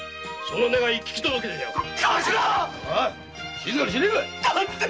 静かにしねえかい！